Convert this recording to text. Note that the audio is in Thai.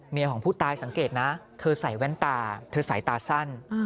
ของผู้ตายสังเกตนะเธอใส่แว่นตาเธอใส่ตาสั้น